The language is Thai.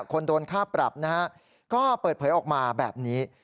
คนโดนค่าปรับนะฮะก็เปิดเผยออกมาแบบนี้